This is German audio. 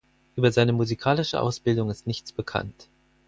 Über seine musikalische Ausbildung ist nichts bekannt.